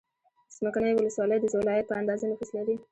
څمکنیو ولسوالۍ د ولایت په اندازه نفوس لري.